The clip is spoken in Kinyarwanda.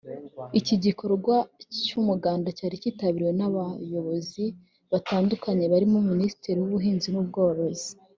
Iki gikorwa cy’umuganda cyari kitabiriwe n’abayobozi batandukanye barimo Minisitiri w’Ubuhinzi n’Ubworozi